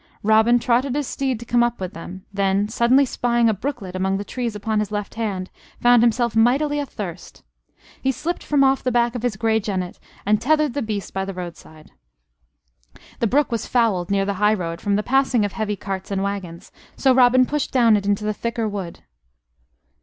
Robin trotted his steed to come up with them; then, suddenly spying a brooklet among the trees upon his left hand, found himself mightily athirst. He slipped from off the back of his grey jennet and tethered the beast by the roadside. The brook was fouled near the highroad from the passing of heavy carts and wagons, so Robin pushed down it into the thicker wood.